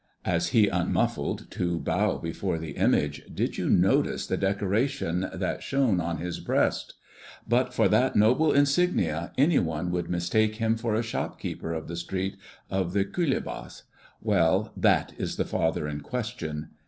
"As he unmuffled to bow before the image, did you notice the decoration that shone on his breast? But for that noble insignia any one would mistake him for a shopkeeper of the street of the Culebras. Well, that is the father in question.